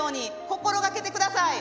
「心がけて下さい！」。